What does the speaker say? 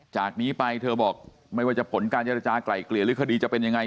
จากนี้ไปเธอบอกไม่ว่าจะผลการเจรจากลายเกลี่ยหรือคดีจะเป็นยังไง